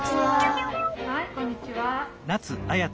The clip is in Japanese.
はいこんにちは。